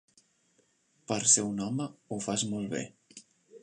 Per ser un home, ho fas molt bé.